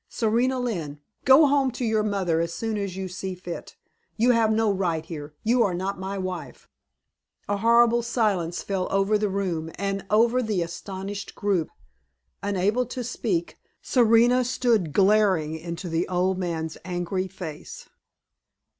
Serena Lynne, go home to your mother as soon as you see fit. You have no right here. You are not my wife!" A horrible silence fell over the room, and over the astonished group. Unable to speak, Serena stood glaring into the old man's angry face.